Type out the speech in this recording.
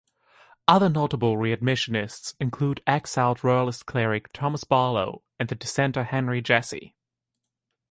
Other notable readmissionists include exiled Royalist cleric Thomas Barlow and the Dissenter Henry Jessey.